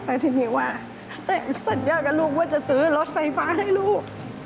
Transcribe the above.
แต่ทีนี้ว่าสัญญากับลูกว่าจะซื้อรถไฟฟ้าให้ลูก